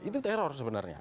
itu teror sebenarnya